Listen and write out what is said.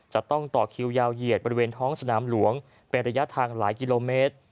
จะต้องต่อคิวยาวเหยียดบริเวณท้องสนามหลวงเป็นระยะทางหลายกิโลเมตร